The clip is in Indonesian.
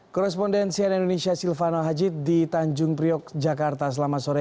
korrespondensi dari indonesia silvano haji di tanjung priok jakarta selama sore